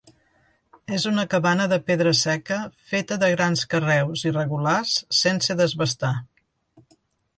És una cabana de pedra seca feta de grans carreus irregulars sense desbastar.